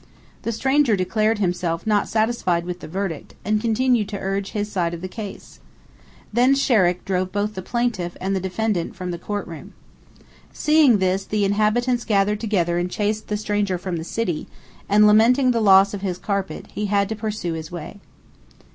The stranger declared himself not satisfied with the verdict, and continued to urge his side of the case. Then Sherek drove both the plaintiff and the defendant from the court room. Seeing this, the inhabitants gathered together and chased the stranger from the city, and lamenting the loss of his carpet, he had to pursue his way.